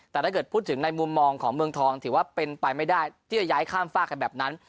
แต่ถ้าเกิดพูดถึงในมุมมองของเมืองทองถือว่าเป็นไปไม่ได้ที่จะย้ายข้ามฝากกันแบบนั้น